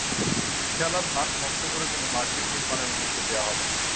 খেলার মাঠ নষ্ট করে কোনো মার্কেট নির্মাণের অনুমতি দেওয়া হবে না।